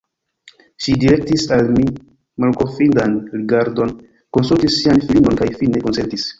Ŝi direktis al mi malkonfidan rigardon, konsultis sian filinon, kaj fine konsentis.